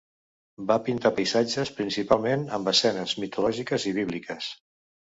Va pintar paisatges principalment amb escenes mitològiques i bíbliques.